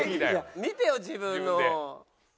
見てよ自分の。